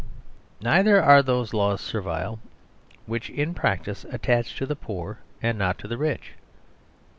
Neither are those laws servile which in practice attach to the poor and not to the rich.